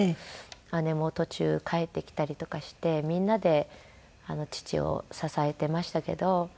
姉も途中帰ってきたりとかしてみんなで父を支えていましたけど。